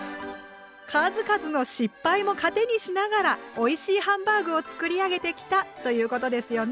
数々の失敗も糧にしながらおいしいハンバーグを作り上げてきたということですよね。